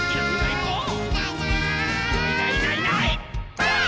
ばあっ！